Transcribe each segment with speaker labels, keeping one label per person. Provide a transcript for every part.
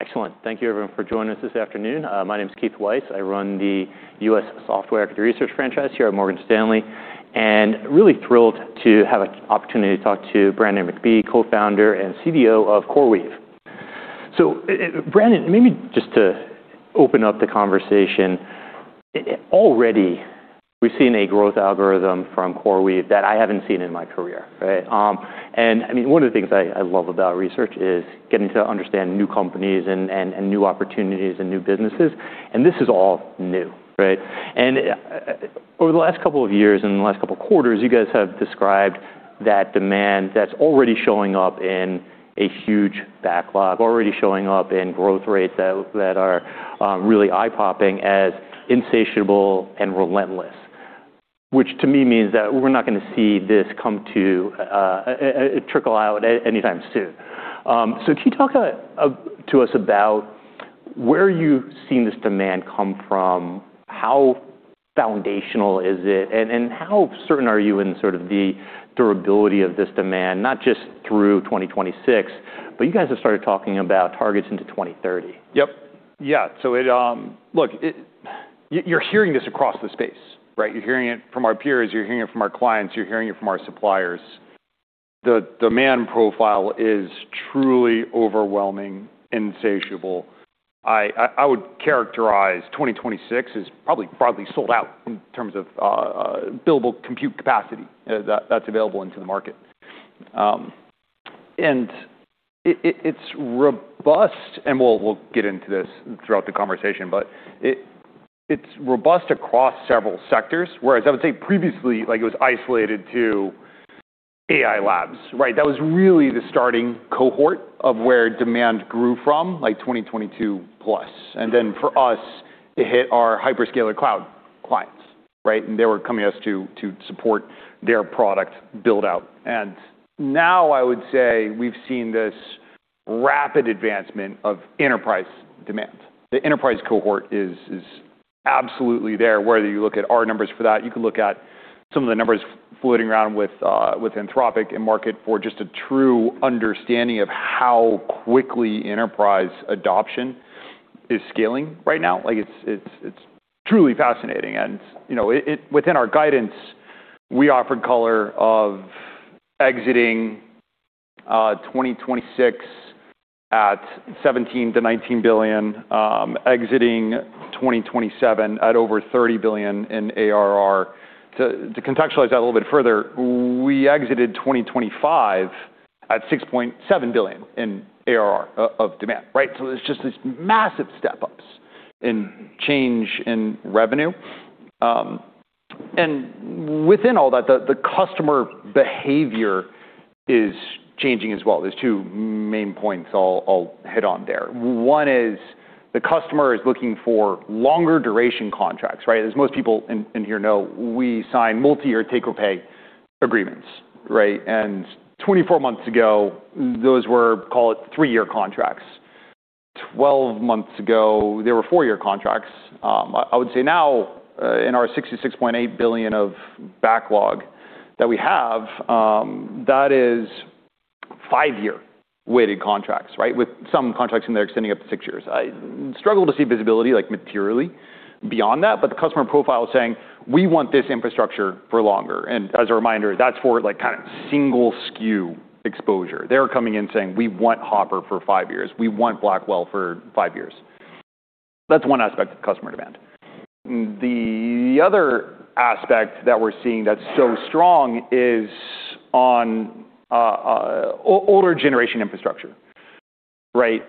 Speaker 1: Excellent. Thank you everyone for joining us this afternoon. My name is Keith Weiss. I run the U.S. Software Equity Research franchise here at Morgan Stanley, and really thrilled to have a opportunity to talk to Brannin McBee, Co-Founder and CDO of CoreWeave. Brannin, maybe just to open up the conversation, already we've seen a growth algorithm from CoreWeave that I haven't seen in my career, right? I mean, one of the things I love about research is getting to understand new companies and new opportunities and new businesses, and this is all new, right? Over the last couple of years and the last couple quarters, you guys have described that demand that's already showing up in a huge backlog, already showing up in growth rates that are really eye-popping as insatiable and relentless. Which to me means that we're not gonna see this come to trickle out anytime soon. Can you talk to us about where you've seen this demand come from? How foundational is it, and how certain are you in sort of the durability of this demand, not just through 2026, but you guys have started talking about targets into 2030.
Speaker 2: Yep. Yeah. Look, you're hearing this across the space, right? You're hearing it from our peers, you're hearing it from our clients, you're hearing it from our suppliers. The demand profile is truly overwhelming, insatiable. I would characterize 2026 as probably broadly sold out in terms of billable compute capacity that's available into the market. It's robust, and we'll get into this throughout the conversation, but it's robust across several sectors. Whereas I would say previously, like, it was isolated AI Labs, right? That was really the starting cohort of where demand grew from, like, 2022+. For us, it hit our hyperscaler cloud clients, right? They were coming to us to support their product build out. Now I would say we've seen this rapid advancement of enterprise demand. The enterprise cohort is absolutely there, whether you look at our numbers for that, you can look at some of the numbers floating around with Anthropic and market for just a true understanding of how quickly enterprise adoption is scaling right now. Like, it's truly fascinating. You know, it Within our guidance, we offered color of exiting 2026 at $17 billion-$19 billion, exiting 2027 at over $30 billion in ARR. To contextualize that a little bit further, we exited 2025 at $6.7 billion in ARR of demand, right? There's just these massive step-ups in change in revenue. Within all that, the customer behavior is changing as well. There's two main points I'll hit on there. One is the customer is looking for longer duration contracts, right? As most people in here know, we sign multi-year take-or-pay agreements, right. 24 months ago, those were, call it, three-year contracts. 12 months ago, they were four-year contracts. I would say now in our $66.8 billion of backlog that we have, that is five-year weighted contracts, right. With some contracts in there extending up to six years. I struggle to see visibility, like materially beyond that, the customer profile is saying, "We want this infrastructure for longer." As a reminder, that's for like kind of single SKU exposure. They're coming in saying, "We want Hopper for five years. We want Blackwell for five years." That's one aspect of customer demand. The other aspect that we're seeing that's so strong is on older generation infrastructure, right.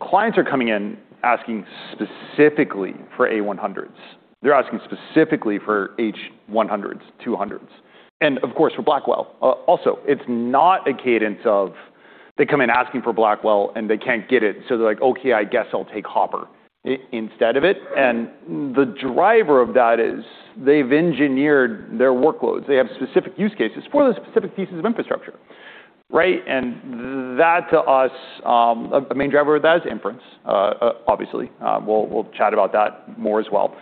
Speaker 2: Clients are coming in asking specifically for A100s. They're asking specifically for H100s, H200s, and of course, for Blackwell. It's not a cadence of they come in asking for Blackwell and they can't get it, so they're like, "Okay, I guess I'll take Hopper instead of it." The driver of that is they've engineered their workloads. They have specific use cases for those specific pieces of infrastructure, right? That to us, a main driver of that is inference, obviously. We'll chat about that more as well.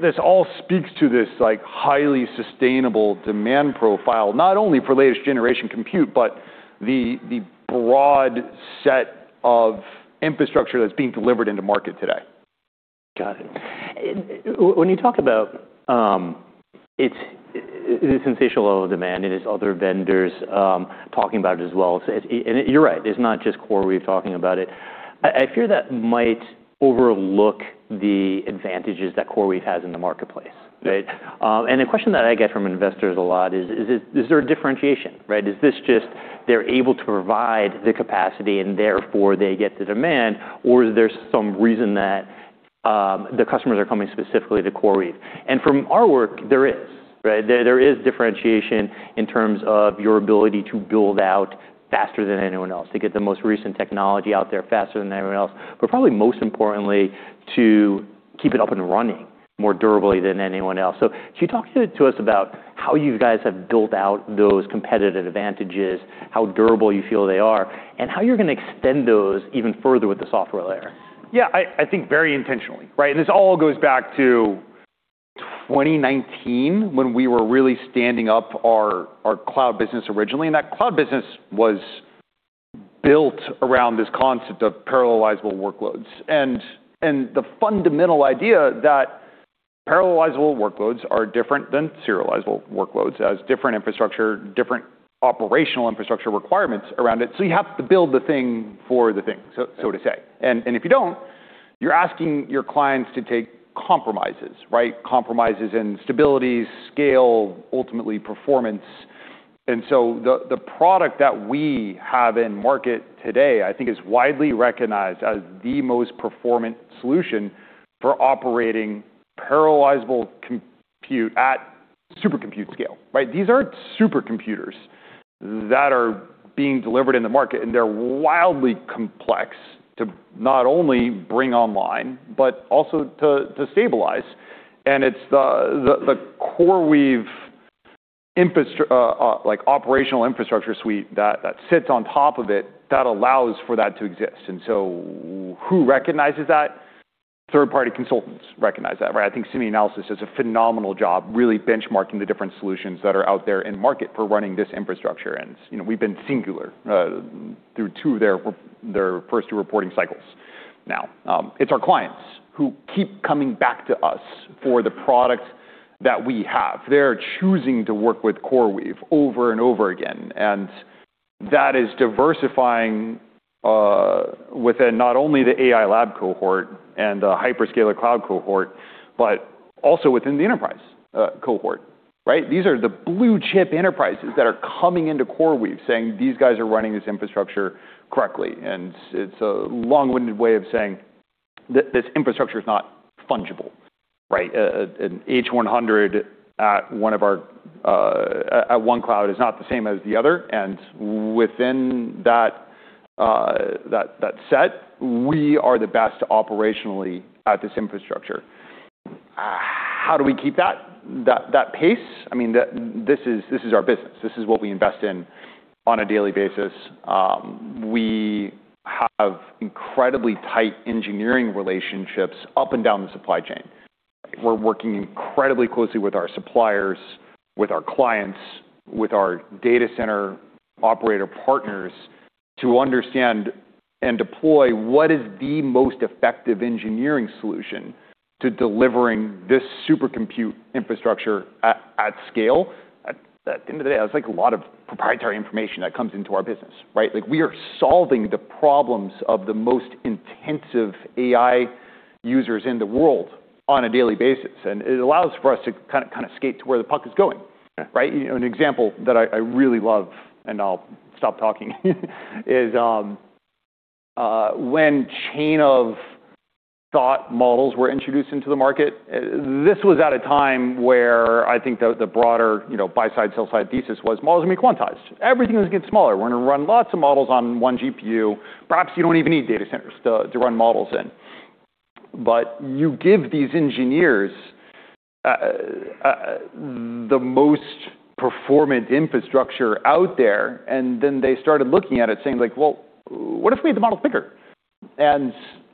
Speaker 2: This all speaks to this, like, highly sustainable demand profile, not only for latest generation compute, but the broad set of infrastructure that's being delivered into market today.
Speaker 1: Got it. When you talk about, it's this insatiable demand and there's other vendors talking about it as well. And you're right, it's not just CoreWeave talking about it. I fear that might overlook the advantages that CoreWeave has in the marketplace, right? And the question that I get from investors a lot is there a differentiation, right? Is this just they're able to provide the capacity and therefore they get the demand, or is there some reason that the customers are coming specifically to CoreWeave? From our work, there is, right? There is differentiation in terms of your ability to build out faster than anyone else, to get the most recent technology out there faster than anyone else. Probably most importantly, to keep it up and running more durably than anyone else. Can you talk to us about how you guys have built out those competitive advantages, how durable you feel they are, and how you're gonna extend those even further with the software layer?
Speaker 2: Yeah. I think very intentionally, right? This all goes back to 2019 when we were really standing up our CoreWeave platform originally, that CoreWeave platform was built around this concept of parallelizable workloads. The fundamental idea that parallelizable workloads are different than serializable workloads, has different infrastructure, different operational infrastructure requirements around it. You have to build the thing for the thing, so to say. If you don't, you're asking your clients to take compromises, right? Compromises in stability, scale, ultimately performance. The product that we have in market today, I think, is widely recognized as the most performant solution for operating parallelizable compute at supercompute scale, right? These are supercomputers that are being delivered in the market, they're wildly complex to not only bring online, but also to stabilize. It's the CoreWeave like operational infrastructure suite that sits on top of it that allows for that to exist. Who recognizes that? Third-party consultants recognize that, right? I think SemiAnalysis does a phenomenal job really benchmarking the different solutions that are out there in market for running this infrastructure. You know, we've been singular through two of their first two reporting cycles now. It's our clients who keep coming back to us for the product that we have. They're choosing to work with CoreWeave over and over again. That is diversifying within not only the AI Lab Cohort and the Hyperscaler Cloud Cohort, but also within the Enterprise Cohort, right? These are the blue-chip enterprises that are coming into CoreWeave saying, "These guys are running this infrastructure correctly." It's a long-winded way of saying this infrastructure is not fungible, right? An H100 at one of our at one cloud is not the same as the other. Within that set, we are the best operationally at this infrastructure. How do we keep that pace? I mean, this is our business. This is what we invest in on a daily basis. We have incredibly tight engineering relationships up and down the supply chain. We're working incredibly closely with our suppliers, with our clients, with our data center operator partners to understand and deploy what is the most effective engineering solution to delivering this supercompute infrastructure at scale. At the end of the day, that's like a lot of proprietary information that comes into our business, right? Like, we are solving the problems of the most intensive AI users in the world on a daily basis, and it allows for us to kind of skate to where the puck is going, right? You know, an example that I really love, and I'll stop talking is when chain-of-thought models were introduced into the market, this was at a time where I think the broader, you know, buy-side, sell-side thesis was models may quantize. Everything was getting smaller. We're gonna run lots of models on one GPU. Perhaps you don't even need data centers to run models in. You give these engineers the most performant infrastructure out there. Then they started looking at it saying like, "Well, what if we made the model bigger?"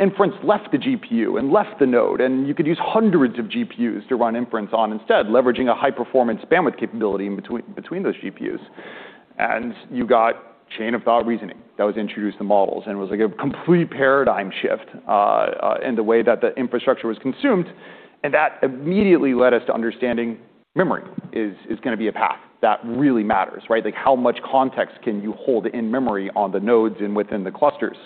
Speaker 2: Inference left the GPU and left the node. You could use hundreds of GPUs to run inference on instead, leveraging a high-performance bandwidth capability between those GPUs. You got chain-of-thought reasoning that was introduced to models, and it was like a complete paradigm shift in the way that the infrastructure was consumed. That immediately led us to understanding memory is gonna be a path that really matters, right? Like, how much context can you hold in memory on the nodes and within the clusters?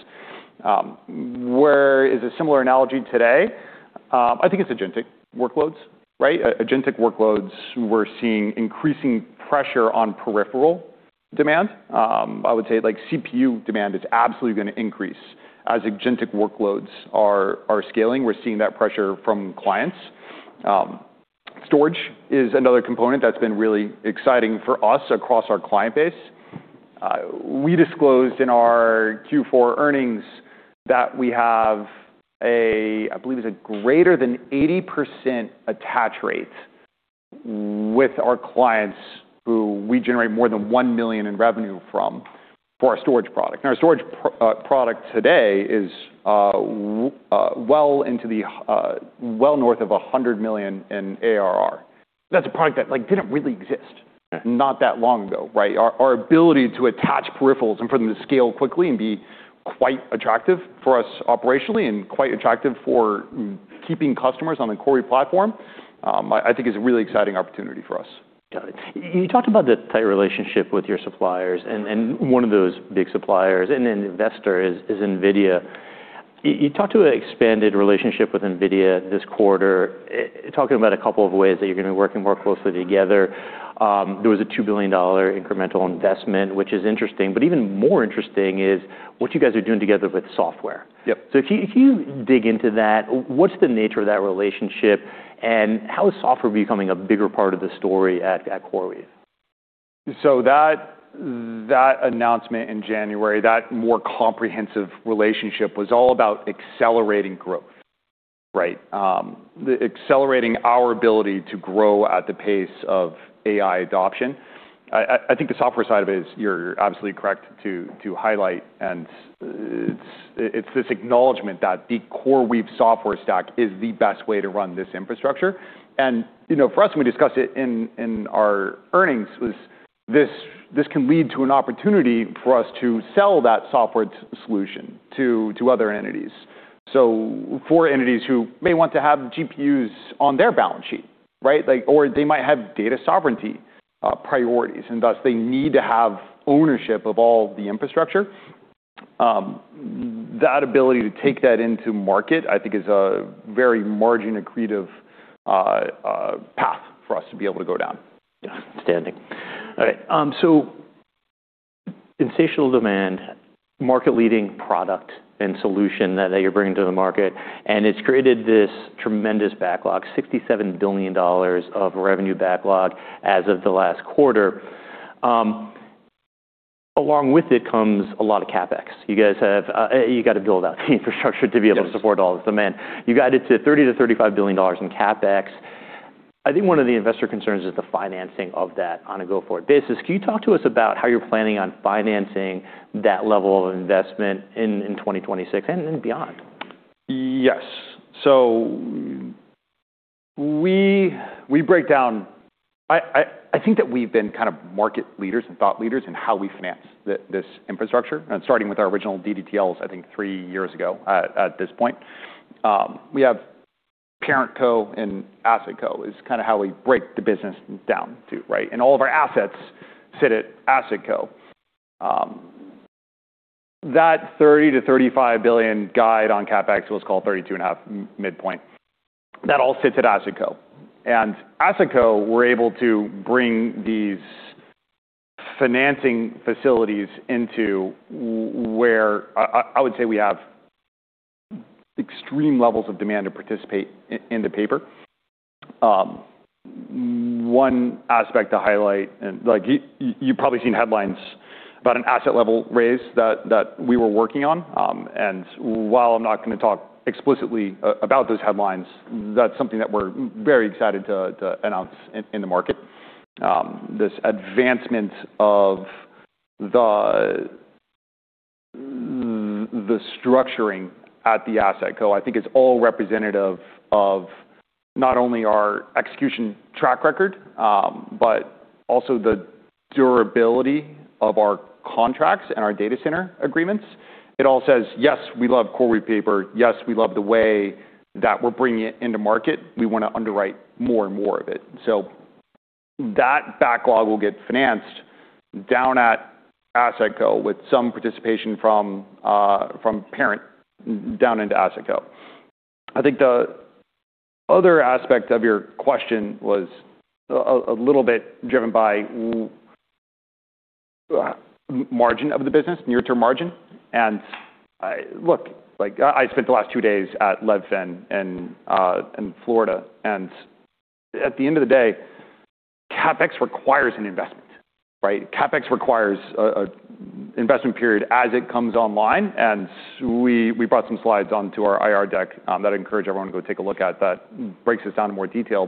Speaker 2: Where is a similar analogy today? I think it's agentic workloads, right? Agentic workloads, we're seeing increasing pressure on peripheral demand. I would say like CPU demand is absolutely gonna increase as agentic workloads are scaling. We're seeing that pressure from clients. Storage is another component that's been really exciting for us across our client base. We disclosed in our Q4 earnings that we have a, I believe it's a greater than 80% attach rate with our clients who we generate more than $1 million in revenue from for our storage product. Our storage product today is well into the, well north of $100 million in ARR. That's a product that, like, didn't really exist not that long ago, right? Our ability to attach peripherals and for them to scale quickly and be quite attractive for us operationally and quite attractive for keeping customers on the CoreWeave platform, I think is a really exciting opportunity for us.
Speaker 1: Got it. You talked about the tight relationship with your suppliers and one of those big suppliers and an investor is NVIDIA. You talked to an expanded relationship with NVIDIA this quarter, talking about a couple of ways that you're gonna be working more closely together. There was a $2 billion incremental investment, which is interesting, but even more interesting is what you guys are doing together with software.
Speaker 2: Yep.
Speaker 1: Can you dig into that? What's the nature of that relationship, and how is software becoming a bigger part of the story at CoreWeave?
Speaker 2: That announcement in January, that more comprehensive relationship was all about accelerating growth, right? Accelerating our ability to grow at the pace of AI adoption. I think the software side of it is you're obviously correct to highlight, and it's this acknowledgement that the CoreWeave software stack is the best way to run this infrastructure. You know, for us, when we discussed it in our earnings was this can lead to an opportunity for us to sell that software solution to other entities. For entities who may want to have GPUs on their balance sheet, right? Like, or they might have data sovereignty priorities, and thus they need to have ownership of all the infrastructure. That ability to take that into market, I think is a very margin-accretive path for us to be able to go down.
Speaker 1: Yeah. Outstanding. All right, insatiable demand, market-leading product and solution that you're bringing to the market, and it's created this tremendous backlog, $67 billion of revenue backlog as of the last quarter. Along with it comes a lot of CapEx. You got to build out the infrastructure to be able to support all this demand. You got it to $30 billion-$35 billion in CapEx. I think one of the investor concerns is the financing of that on a go-forward basis. Can you talk to us about how you're planning on financing that level of investment in 2026 and beyond?
Speaker 2: Yes. I think that we've been kind of market leaders and thought leaders in how we finance this infrastructure, and starting with our original DDTLs, I think three years ago at this point. We have parent co and asset co is kind of how we break the business down to, right? All of our assets sit at asset co. That $30 billion-$35 billion guide on CapEx, let's call it $32.5 billion midpoint, that all sits at asset co. Asset co, we're able to bring these financing facilities into where I would say we have extreme levels of demand to participate in the paper. One aspect to highlight, like you've probably seen headlines about an asset level raise that we were working on, while I'm not gonna talk explicitly about those headlines, that's something that we're very excited to announce in the market. This advancement of the structuring at the asset co, I think is all representative of not only our execution track record, but also the durability of our contracts and our data center agreements. It all says, "Yes, we love CoreWeave paper. Yes, we love the way that we're bringing it into market. We wanna underwrite more and more of it." That backlog will get financed down at asset co with some participation from parent down into asset co. I think the other aspect of your question was a little bit driven by margin of the business, near-term margin. Look, like I spent the last two days at LevFin in Florida, at the end of the day, CapEx requires an investment, right? CapEx requires an investment period as it comes online, we brought some slides onto our IR deck that I encourage everyone to go take a look at that breaks this down in more detail.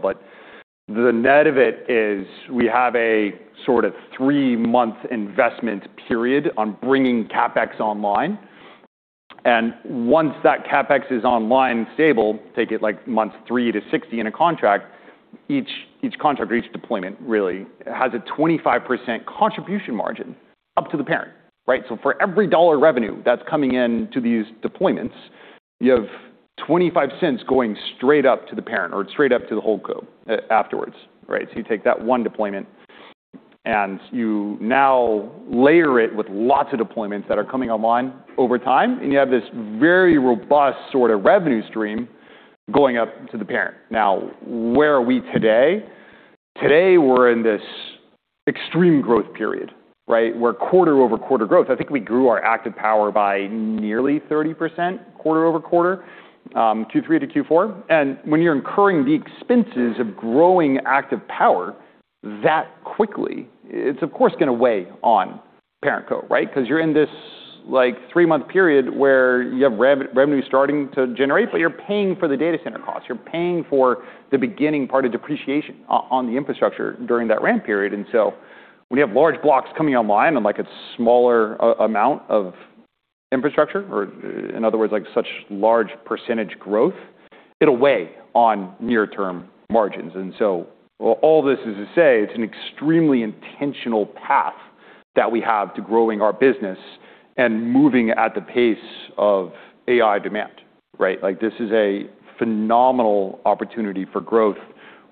Speaker 2: The net of it is we have a sort of three-month investment period on bringing CapEx online. Once that CapEx is online and stable, take it like month three to 60 in a contract, each contract or each deployment really has a 25% contribution margin up to the parent, right? For every dollar revenue that's coming in to these deployments, you have $0.25 going straight up to the parent or straight up to the whole co afterwards, right. You take that one deployment and you now layer it with lots of deployments that are coming online over time, and you have this very robust sort of revenue stream going up to the parent. Where are we today? Today, we're in this extreme growth period, right. We're quarter-over-quarter growth. I think we grew our active power by nearly 30% quarter-over-quarter, Q3 to Q4. When you're incurring the expenses of growing active power that quickly, it's of course gonna weigh on parent co, right. 'Cause you're in this like three-month period where you have re-revenue starting to generate, but you're paying for the data center costs. You're paying for the beginning part of depreciation on the infrastructure during that ramp period. When you have large blocks coming online on like a smaller amount of infrastructure, or in other words, like such large % growth, it'll weigh on near-term margins. All this is to say it's an extremely intentional path that we have to growing our business and moving at the pace of AI demand, right? Like, this is a phenomenal opportunity for growth.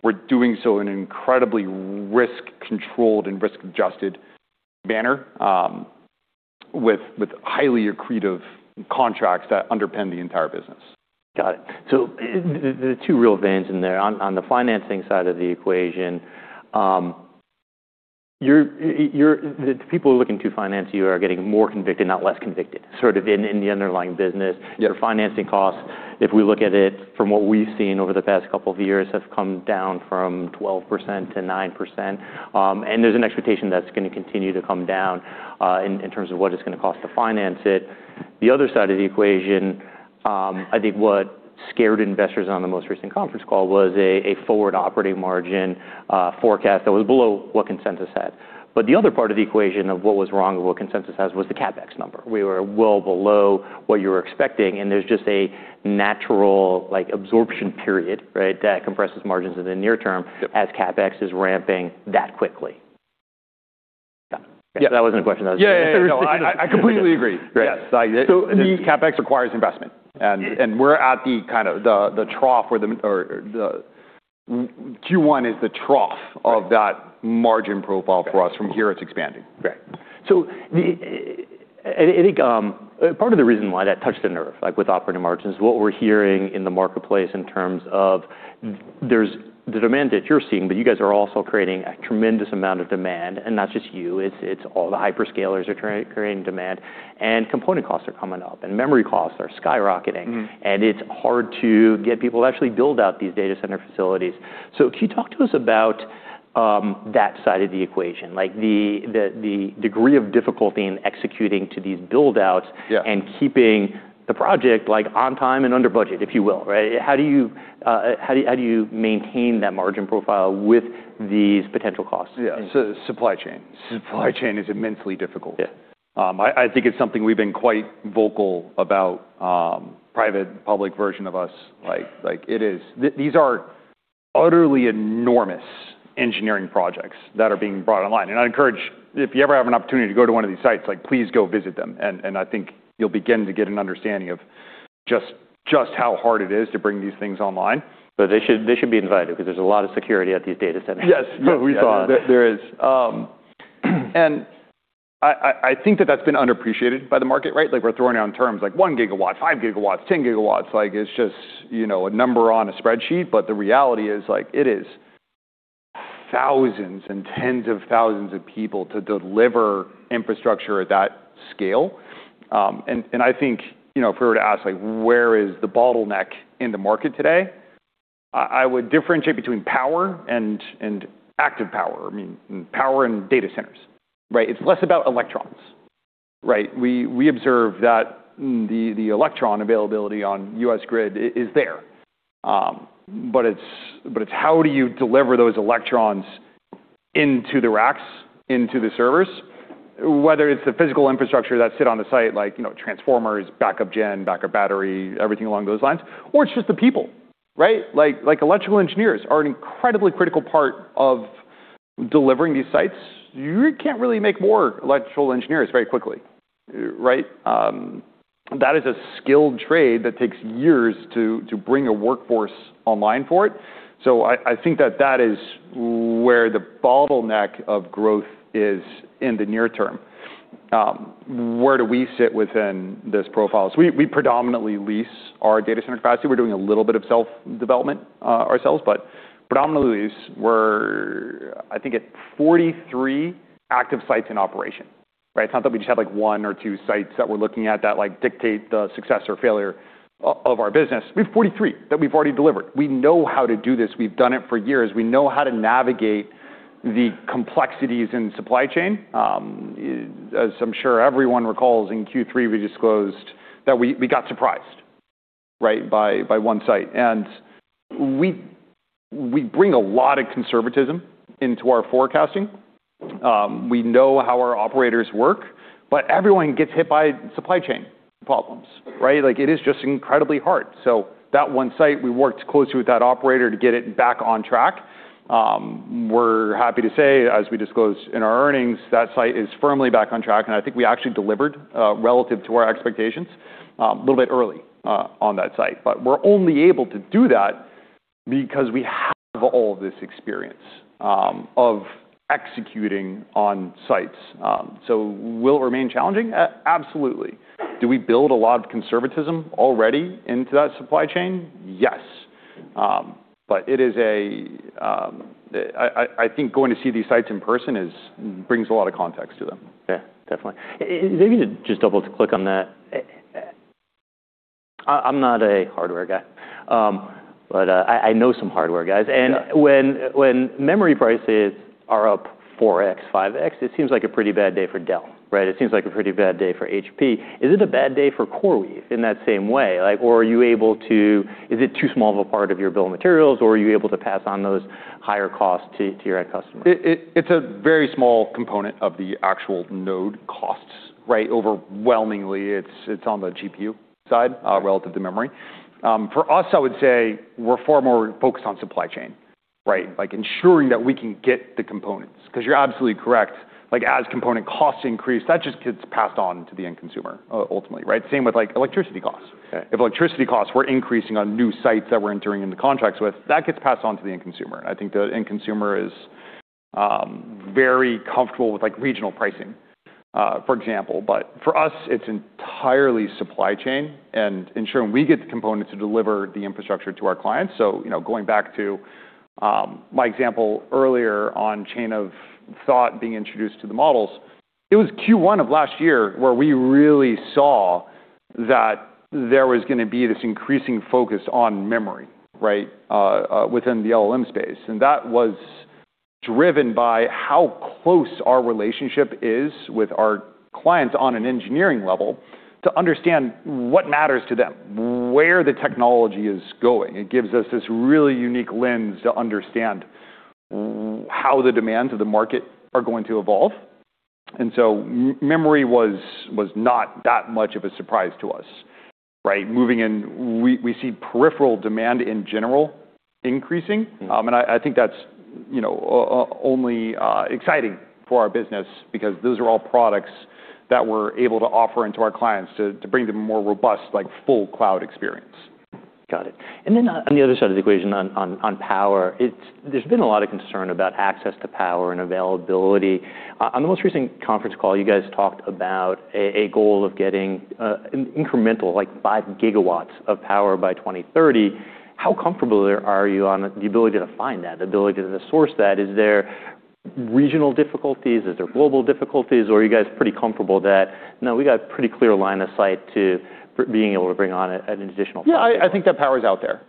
Speaker 2: We're doing so in an incredibly risk-controlled and risk-adjusted manner, with highly accretive contracts that underpin the entire business.
Speaker 1: Got it. The two real veins in there. On the financing side of the equation, the people looking to finance you are getting more convicted, not less convicted, sort of in the underlying business.
Speaker 2: Yeah.
Speaker 1: Your financing costs, if we look at it from what we've seen over the past couple of years, have come down from 12%-9%. There's an expectation that it's gonna continue to come down in terms of what it's gonna cost to finance it. The other side of the equation, I think scared investors on the most recent conference call was a forward operating margin forecast that was below what consensus had. The other part of the equation of what was wrong and what consensus has was the CapEx number. We were well below what you were expecting, there's just a natural, like, absorption period, right? That compresses margins in the near term.
Speaker 2: Yep
Speaker 1: As CapEx is ramping that quickly. Yeah.
Speaker 2: Yeah.
Speaker 1: That wasn't a question. That was just-
Speaker 2: Yeah, yeah. No, I completely agree.
Speaker 1: Great.
Speaker 2: Yes. Like,
Speaker 1: So the-
Speaker 2: CapEx requires investment.
Speaker 1: Yeah.
Speaker 2: We're at the, kind of the trough. Q1 is the trough.
Speaker 1: Right
Speaker 2: Of that margin profile for us.
Speaker 1: Right.
Speaker 2: From here, it's expanding.
Speaker 1: Right. And I think, part of the reason why that touched a nerve, like with operating margins, what we're hearing in the marketplace in terms of there's the demand that you're seeing, but you guys are also creating a tremendous amount of demand, and not just you. It's all the hyperscalers are creating demand, and component costs are coming up, and memory costs are skyrocketing.
Speaker 2: Mm.
Speaker 1: It's hard to get people to actually build out these data center facilities. Can you talk to us about that side of the equation, like the degree of difficulty in executing to these build-outs?
Speaker 2: Yeah...
Speaker 1: and keeping the project, like, on time and under budget, if you will, right? How do you maintain that margin profile with these potential costs?
Speaker 2: Yeah. Supply chain. Supply chain is immensely difficult.
Speaker 1: Yeah.
Speaker 2: I think it's something we've been quite vocal about, private, public version of us, like it is. These are utterly enormous engineering projects that are being brought online. I'd encourage, if you ever have an opportunity to go to one of these sites, like, please go visit them, and I think you'll begin to get an understanding of just how hard it is to bring these things online.
Speaker 1: They should be invited because there's a lot of security at these data centers.
Speaker 2: Yes. No, we saw. There is. I think that that's been underappreciated by the market, right? Like, we're throwing out terms like 1 gigawatt, 5 gigawatts, 10 gigawatts. Like, it's just, you know, a number on a spreadsheet, but the reality is, like, it is 1,000s and 10s of 1,000s of people to deliver infrastructure at that scale. I think, you know, if we were to ask, like, where is the bottleneck in the market today, I would differentiate between power and active power. I mean, power and data centers, right? It's less about electrons, right? We observe that the electron availability on U.S. grid is there. But it's how do you deliver those electrons into the racks, into the servers, whether it's the physical infrastructure that sit on the site, like, you know, transformers, backup gen, backup battery, everything along those lines, or it's just the people, right? Like, like electrical engineers are an incredibly critical part of delivering these sites. You can't really make more electrical engineers very quickly, right? That is a skilled trade that takes years to bring a workforce online for it. I think that that is where the bottleneck of growth is in the near term. Where do we sit within those profiles? We, we predominantly lease our data center capacity. We're doing a little bit of self-development, ourselves, predominantly it's we're, I think, at 43 active sites in operation, right? It's not that we just have, like, one or two sites that we're looking at that, like, dictate the success or failure of our business. We have 43 that we've already delivered. We know how to do this. We've done it for years. We know how to navigate the complexities in supply chain. As I'm sure everyone recalls, in Q3, we disclosed that we got surprised, right, by one site. We bring a lot of conservatism into our forecasting. We know how our operators work, but everyone gets hit by supply chain problems, right? Like, it is just incredibly hard. That one site, we worked closely with that operator to get it back on track. We're happy to say, as we disclosed in our earnings, that site is firmly back on track. I think we actually delivered relative to our expectations a little bit early on that site. We're only able to do that because we have all this experience of executing on sites. Will it remain challenging? Absolutely. Do we build a lot of conservatism already into that supply chain? Yes. It is a, I think going to see these sites in person brings a lot of context to them.
Speaker 1: Yeah, definitely. Maybe to just double click on that. I'm not a hardware guy, but I know some hardware guys.
Speaker 2: Yeah.
Speaker 1: When memory prices are up 4x, 5x, it seems like a pretty bad day for Dell, right? It seems like a pretty bad day for HP. Is it a bad day for CoreWeave in that same way? Like, Is it too small of a part of your bill of materials, or are you able to pass on those higher costs to your end customer?
Speaker 2: It's a very small component of the actual node costs, right? Overwhelmingly, it's on the GPU side...
Speaker 1: Right...
Speaker 2: Relative to memory. For us, I would say we're far more focused on supply chain, right? Like ensuring that we can get the components, 'cause you're absolutely correct. Like, as component costs increase, that just gets passed on to the end consumer, ultimately, right? Same with, like, electricity costs.
Speaker 1: Okay.
Speaker 2: If electricity costs were increasing on new sites that we're entering into contracts with, that gets passed on to the end consumer. I think the end consumer is very comfortable with, like, regional pricing, for example. For us, it's entirely supply chain and ensuring we get the components to deliver the infrastructure to our clients. You know, going back to my example earlier on chain-of-thought being introduced to the models, it was Q1 of last year where we really saw that there was gonna be this increasing focus on memory, right, within the LLM space. That was-driven by how close our relationship is with our clients on an engineering level to understand what matters to them, where the technology is going. It gives us this really unique lens to understand how the demands of the market are going to evolve. Memory was not that much of a surprise to us, right? We see peripheral demand in general increasing.
Speaker 1: Mm-hmm.
Speaker 2: I think that's, you know, only exciting for our business because those are all products that we're able to offer into our clients to bring them more robust, like, full cloud experience.
Speaker 1: Got it. On the other side of the equation on power, it's. There's been a lot of concern about access to power and availability. On the most recent conference call, you guys talked about a goal of getting incremental, like, 5 gigawatts of power by 2030. How comfortable are you on the ability to find that, the ability to source that? Is there regional difficulties, is there global difficulties, or are you guys pretty comfortable that, "No, we got a pretty clear line of sight to being able to bring on an additional 5 gigawatts"?
Speaker 2: I think that power's out there.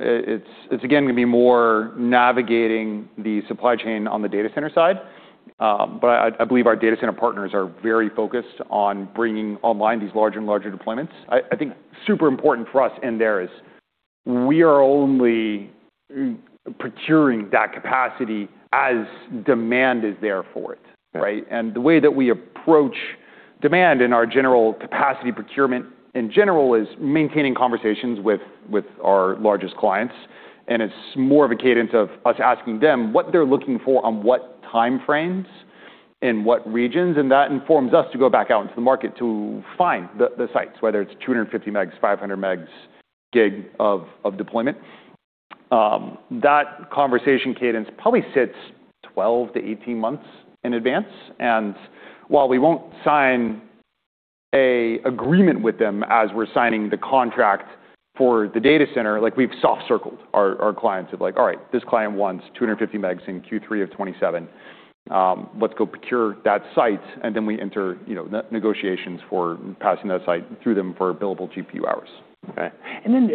Speaker 2: It's, it's again gonna be more navigating the supply chain on the data center side. I believe our data center partners are very focused on bringing online these larger and larger deployments. I think super important for us in there is we are only procuring that capacity as demand is there for it, right?
Speaker 1: Yeah.
Speaker 2: The way that we approach demand in our general capacity procurement in general is maintaining conversations with our largest clients, and it's more of a cadence of us asking them what they're looking for on what time frames in what regions. That informs us to go back out into the market to find the sites, whether it's 250 megs, 500 megs, gig of deployment. That conversation cadence probably sits 12-18 months in advance. While we won't sign a agreement with them as we're signing the contract for the data center, like, we've soft-circled our clients of like, "All right, this client wants 250 megs in Q3 of 2027. Let's go procure that site," Then we enter, you know, negotiations for passing that site through them for billable GPU hours.
Speaker 1: Okay. Then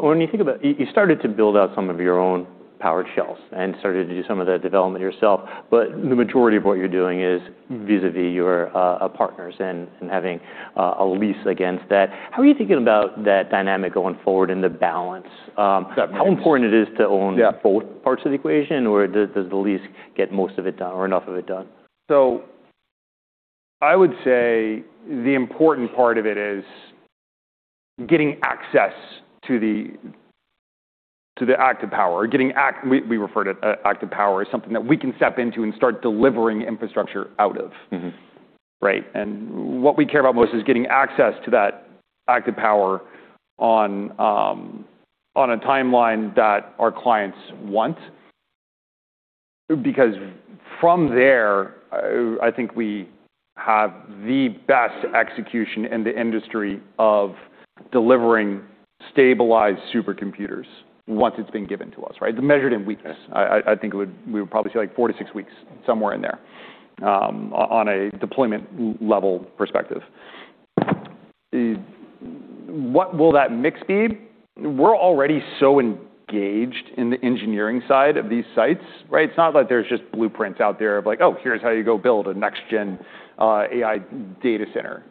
Speaker 1: when you think about you started to build out some of your own power shells and started to do some of the development yourself, but the majority of what you're doing is vis-à-vis your partners and having a lease against that. How are you thinking about that dynamic going forward and the balance?
Speaker 2: Definitely
Speaker 1: How important it is.
Speaker 2: Yeah...
Speaker 1: Both parts of the equation or does the lease get most of it done or enough of it done?
Speaker 2: I would say the important part of it is getting access to the active power. We refer to active power as something that we can step into and start delivering infrastructure out of.
Speaker 1: Mm-hmm.
Speaker 2: Right? What we care about most is getting access to that active power on a timeline that our clients want, because from there, I think we have the best execution in the industry of delivering stabilized supercomputers once it's been given to us, right? They're measured in weeks.
Speaker 1: Yes.
Speaker 2: I think we would probably say, like, four to six weeks, somewhere in there, on a deployment level perspective. What will that mix be? We're already so engaged in the engineering side of these sites, right? It's not like there's just blueprints out there of like, "Oh, here's how you go build a NextGenAI data center,"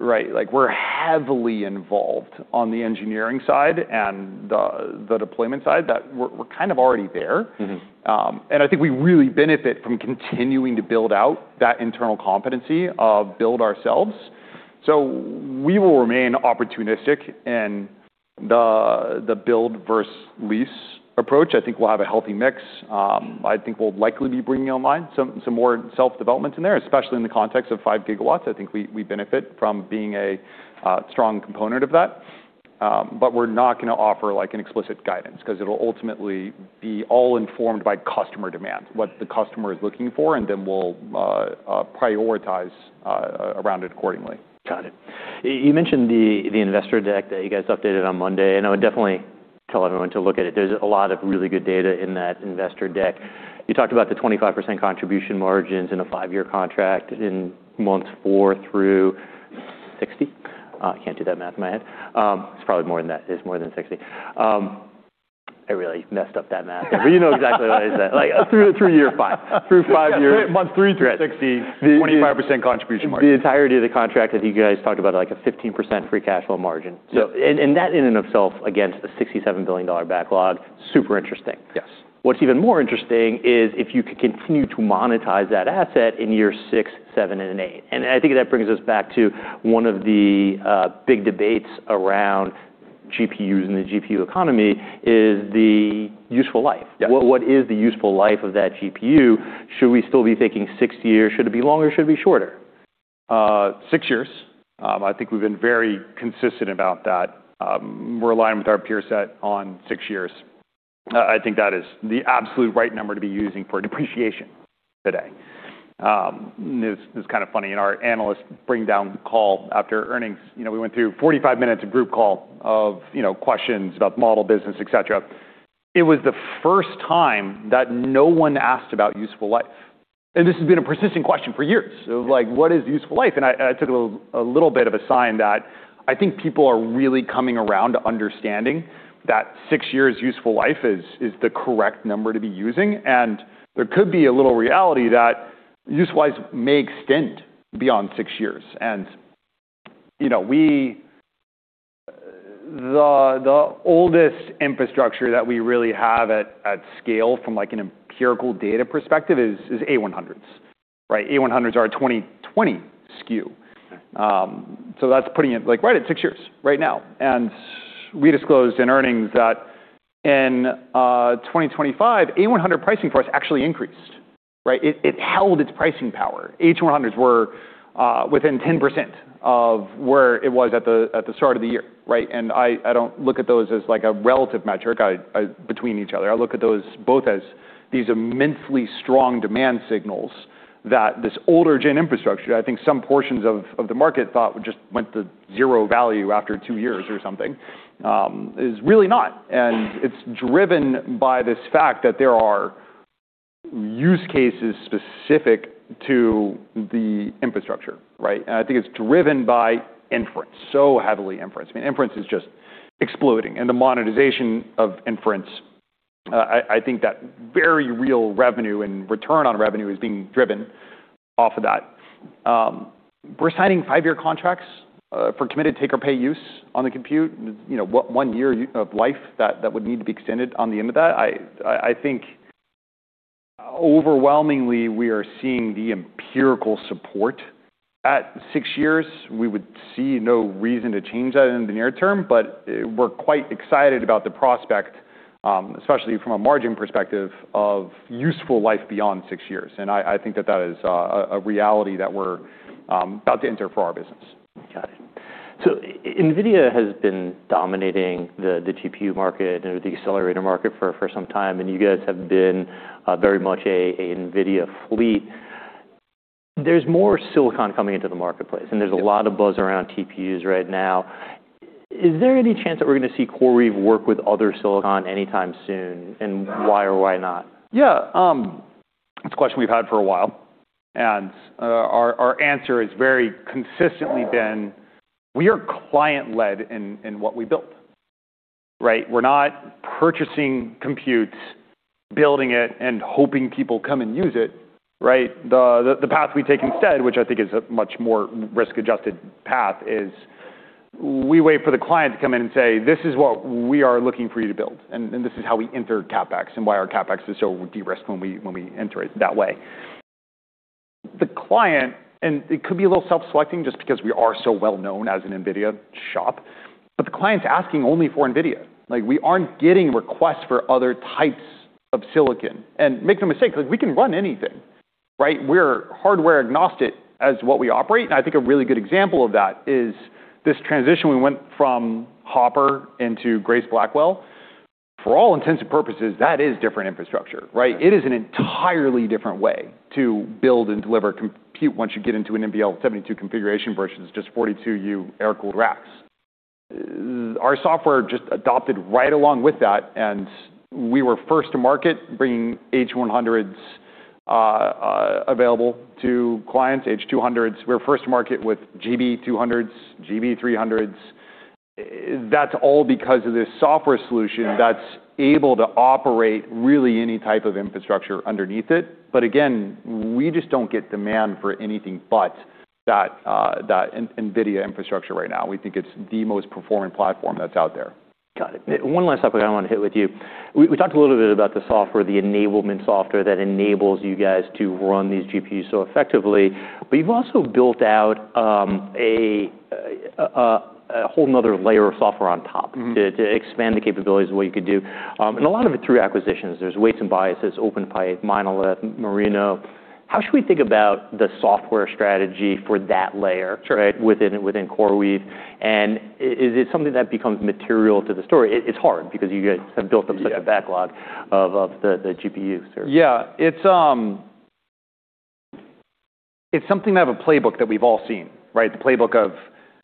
Speaker 2: right? Like, we're heavily involved on the engineering side and the deployment side that we're kind of already there.
Speaker 1: Mm-hmm.
Speaker 2: I think we really benefit from continuing to build out that internal competency of build ourselves. We will remain opportunistic in the build verse lease approach. I think we'll have a healthy mix. I think we'll likely be bringing online some more self-development in there, especially in the context of 5 gigawatts. I think we benefit from being a strong component of that. We're not gonna offer, like, an explicit guidance, 'cause it'll ultimately be all informed by customer demand. What the customer is looking for, we'll prioritize around it accordingly.
Speaker 1: Got it. You mentioned the investor deck that you guys updated on Monday, I would definitely tell everyone to look at it. There's a lot of really good data in that investor deck. You talked about the 25% contribution margins in a five-year contract in months four through 60. Can't do that math in my head. It's probably more than that. It's more than 60. I really messed up that math. You know exactly what is that, like, fine, through five-year.
Speaker 2: Yeah, months three through 60%, 25% contribution margin....
Speaker 1: The entirety of the contract that you guys talked about, like, a 15% free cash flow margin.
Speaker 2: Yeah.
Speaker 1: That in and of itself against the $67 billion backlog, super interesting.
Speaker 2: Yes.
Speaker 1: What's even more interesting is if you could continue to monetize that asset in year six, seven, and eight. I think that brings us back to one of the big debates around GPUs and the GPU economy is the useful life.
Speaker 2: Yeah.
Speaker 1: What is the useful life of that GPU? Should we still be thinking six years? Should it be longer? Should it be shorter?
Speaker 2: Six years. I think we've been very consistent about that. We're aligned with our peer set on six years. I think that is the absolute right number to be using for depreciation today. This is kind of funny. In our analyst bring down call after earnings, you know, we went through 45 minutes of group call of, you know, questions about model business, et cetera. It was the first time that no one asked about useful life. And this has been a persistent question for years. Like, what is useful life? And I took a little bit of a sign that I think people are really coming around to understanding that six years useful life is the correct number to be using, and there could be a little reality that use wise may extend beyond six years. You know, the oldest infrastructure that we really have at scale from like an empirical data perspective is A100s, right. A100s are a 2020 SKU. That's putting it, like, right at six years right now. We disclosed in earnings that in 2025, A100 pricing for us actually increased, right. It held its pricing power. A100s were within 10% of where it was at the, at the start of the year, right. I don't look at those as like a relative metric. between each other. I look at those both as these immensely strong demand signals that this older gen infrastructure, I think some portions of the market thought just went to zero value after two years or something, is really not. It's driven by this fact that there are use cases specific to the infrastructure, right? I think it's driven by inference, so heavily inference. I mean, inference is just exploding, and the monetization of inference, I think that very real revenue and return on revenue is being driven off of that. We're signing five-year contracts for committed take or pay use on the compute. You know, one year of life that would need to be extended on the end of that. I think overwhelmingly, we are seeing the empirical support. At six years, we would see no reason to change that in the near term, but we're quite excited about the prospect, especially from a margin perspective of useful life beyond six years. I think that that is a reality that we're about to enter for our business.
Speaker 1: Got it. NVIDIA has been dominating the GPU market or the accelerator market for some time, and you guys have been very much a NVIDIA fleet. There's more silicon coming into the marketplace, and there's a lot of buzz around TPUs right now. Is there any chance that we're gonna see CoreWeave work with other silicon anytime soon, and why or why not?
Speaker 2: Yeah. It's a question we've had for a while, our answer has very consistently been, we are client-led in what we build, right? We're not purchasing compute, building it and hoping people come and use it, right? The path we take instead, which I think is a much more risk-adjusted path, is we wait for the client to come in and say, "This is what we are looking for you to build." This is how we enter CapEx and why our CapEx is so de-risked when we enter it that way. The client, and it could be a little self-selecting just because we are so well known as an NVIDIA shop, but the client's asking only for NVIDIA. Like, we aren't getting requests for other types of silicon. Make no mistake, like, we can run anything, right? We're hardware agnostic as what we operate, and I think a really good example of that is this transition we went from Hopper into Grace Blackwell. For all intents and purposes, that is different infrastructure, right? It is an entirely different way to build and deliver compute once you get into an NVL72 configuration vs just 42U air-cooled racks. Our software just adopted right along with that, and we were first to market bringing H100s available to clients, H200s. We were first to market with GB200s, GB300s. That's all because of this software solution that's able to operate really any type of infrastructure underneath it. But again, we just don't get demand for anything but that NVIDIA infrastructure right now. We think it's the most performing platform that's out there.
Speaker 1: Got it. One last topic I want to hit with you. We talked a little bit about the software, the enablement software that enables you guys to run these GPUs so effectively. You've also built out a whole another layer of software on top.
Speaker 2: Mm-hmm...
Speaker 1: To expand the capabilities of what you could do. A lot of it through acquisitions. There's Weights & Biases, OpenPipe, Monolith, Merino. How should we think about the software strategy for that layer?
Speaker 2: Sure
Speaker 1: Right, within CoreWeave? Is it something that becomes material to the story? It's hard because you guys have built up such a backlog of the GPU service.
Speaker 2: Yeah. It's, it's something to have a playbook that we've all seen, right? The playbook of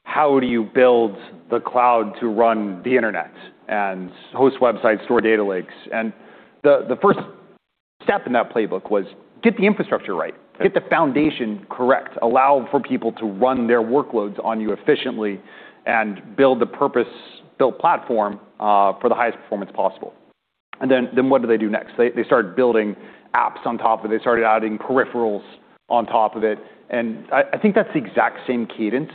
Speaker 2: how do you build the cloud to run the internet and host websites, store data lakes. The first step in that playbook was get the infrastructure right, get the foundation correct, allow for people to run their workloads on you efficiently and build the purpose-built platform for the highest performance possible. Then what do they do next? They start building apps on top of it. They started adding peripherals on top of it. I think that's the exact same cadence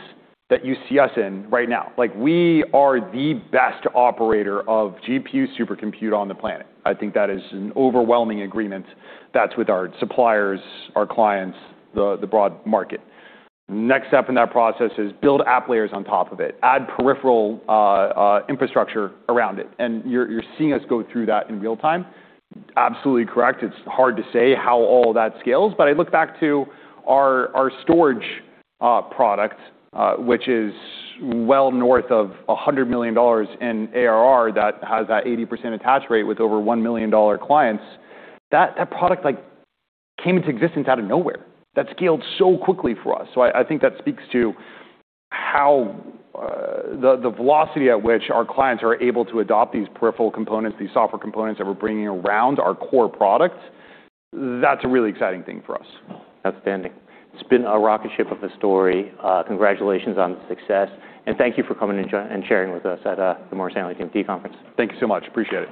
Speaker 2: that you see us in right now. We are the best operator of GPU supercomputer on the planet. I think that is an overwhelming agreement. That's with our suppliers, our clients, the broad market. Next step in that process is build app layers on top of it, add peripheral infrastructure around it. You're seeing us go through that in real time. Absolutely correct. It's hard to say how all that scales, but I look back to our storage product, which is well north of $100 million in ARR that has that 80% attach rate with over $1 million clients. That product, like, came into existence out of nowhere. That scaled so quickly for us. I think that speaks to how the velocity at which our clients are able to adopt these peripheral components, these software components that we're bringing around our core products, that's a really exciting thing for us.
Speaker 1: Outstanding. It's been a rocket ship of a story. Congratulations on the success, and thank you for coming and sharing with us at the Morgan Stanley Technology Conference.
Speaker 2: Thank you so much. Appreciate it.